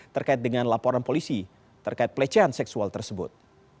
terkait dengan laporan polisi terkait pelecehan seksual tersebut